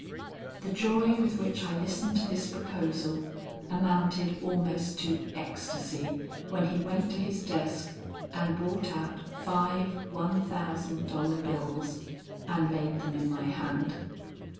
"The joy with which I listened to this proposal amounted almost to ecstacy when he went to his desk and brought out five one thousand dollar bills and laid them in my hand.